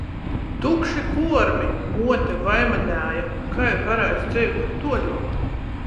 Tukši kuormi! Muote vaimaneja, kai varēs dzeivuot tuoļuok.